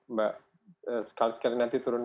mbak sekali sekali nanti turun